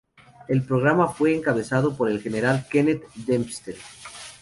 El programa fue encabezado por el general Kenneth Dempster.